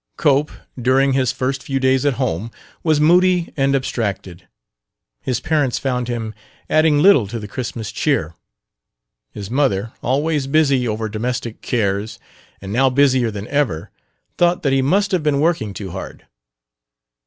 Cope, during his first few days at home, was moody and abstracted: his parents found him adding little to the Christmas cheer. His mother, always busy over domestic cares and now busier than ever, thought that he must have been working too hard.